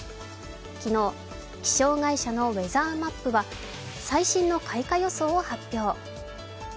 昨日、気象会社のウェザーマップは最新の開花予想を発表。